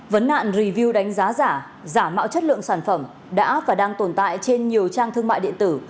vấn nạn review đánh giá giả mạo chất lượng sản phẩm đã và đang tồn tại trên nhiều trang thương mại điện tử